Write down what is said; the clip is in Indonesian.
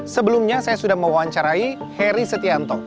sebelumnya saya sudah mewawancarai heri setianto